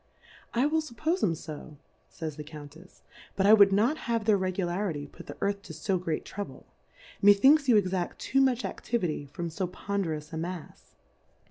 I will fuppoie 'em fo, [ays the Countefs^ but I would not have their Regularity put the Earth to fo great Trouble ; methinks you exact too much Aftivity from fo ponderous a Mafs.